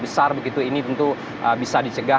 besar begitu ini tentu bisa dicegah